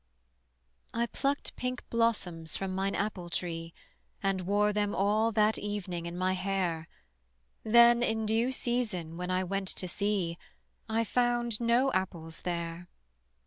I plucked pink blossoms from mine apple tree, And wore them all that evening in my hair: Then in due season when I went to see I found no apples there.